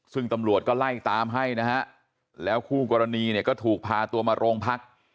ซึ่งตำรวจก็ไล่ตามให้นะฮะแล้วคู่กรณีเนี่ยก็ถูกพาตัวมาโรงพัก